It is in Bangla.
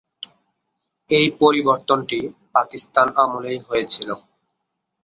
এই পরিবর্তনটি পাকিস্তান আমলেই হয়েছিল।